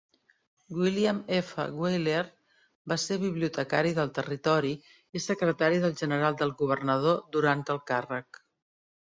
William F. Wheeler va ser bibliotecari del territori i secretari del general del governador durant el càrrec.